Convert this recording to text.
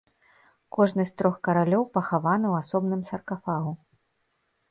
Кожны з трох каралёў пахаваны ў асобным саркафагу.